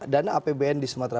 dana apbn di sumatera